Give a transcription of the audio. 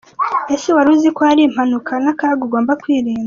Ese waruziko hari impanuka n’akaga ugomba kwirinda?